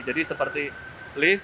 jadi seperti lift